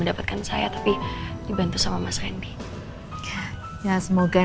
nah itu ada yang wraps aja sih